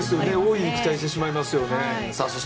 大いに期待してしまいますね。